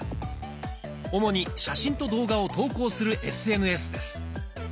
主に写真と動画を投稿するＳＮＳです。